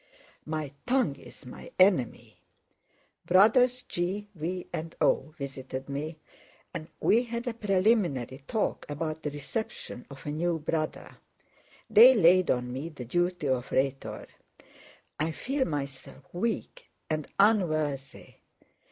My tongue is my enemy. Brothers G. V. and O. visited me and we had a preliminary talk about the reception of a new Brother. They laid on me the duty of Rhetor. I feel myself weak and unworthy.